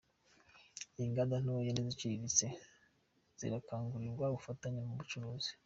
Inganda ntoya n’Iziciriritse zirakangurirwa ubufatanye mu bucuruzi